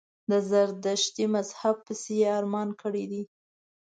د زردشتي مذهب پسي یې ارمان کړی دی.